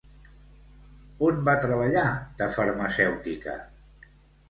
On va treballar de farmacèutica?